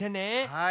はい。